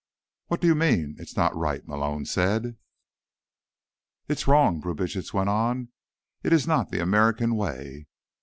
"What do you mean, it's not right?" Malone said. "It is wrong," Brubitsch went on. "It is not the American way."